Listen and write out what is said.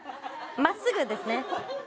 真っすぐですね。